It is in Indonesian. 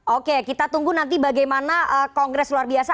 oke kita tunggu nanti bagaimana kongres luar biasa